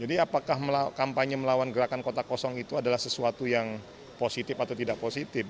jadi apakah kampanye melawan gerakan kota kosong itu adalah sesuatu yang positif atau tidak positif